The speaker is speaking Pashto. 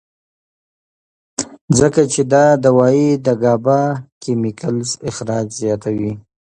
ځکه چې دا دوائي د ګابا کېميکلز اخراج زياتوي